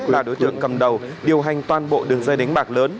là đối tượng cầm đầu điều hành toàn bộ đường dây đánh bạc lớn